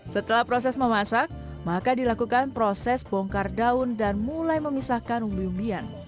setelah proses memasak maka dilakukan proses bongkar daun dan mulai memisahkan umbi umbian